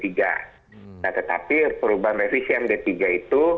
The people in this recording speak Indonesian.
nah tetapi perubahan revisi md tiga itu